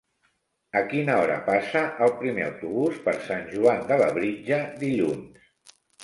A quina hora passa el primer autobús per Sant Joan de Labritja dilluns?